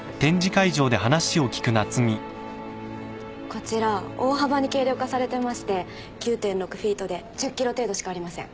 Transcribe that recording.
こちら大幅に軽量化されてまして９．６フィートで１０ｋｇ程度しかありません。